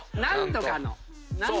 「何とかの」